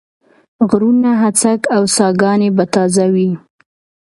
غرونه هسک و او ساګاني به تازه وې